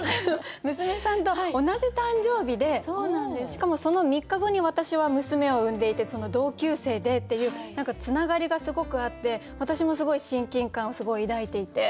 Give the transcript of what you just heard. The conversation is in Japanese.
しかもその３日後に私は娘を産んでいて同級生でっていう何かつながりがすごくあって私もすごい親近感をすごい抱いていて。